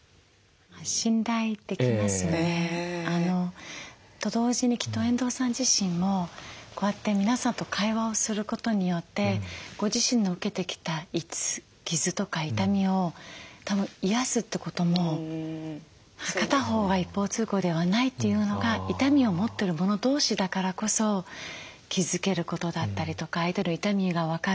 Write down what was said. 信頼できますね。と同時にきっと遠藤さん自身もこうやって皆さんと会話をすることによってご自身の受けてきた傷とか痛みをたぶん癒やすってことも片方が一方通行ではないというのが痛みを持ってる者同士だからこそ気付けることだったりとか相手の痛みが分かる。